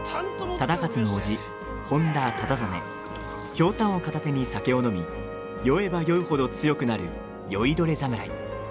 ひょうたんを片手に酒を飲み酔えば酔う程、強くなる酔いどれ侍。